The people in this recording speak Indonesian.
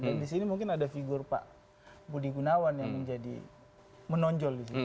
dan disini mungkin ada figur pak budi gunawan yang menjadi menonjol disini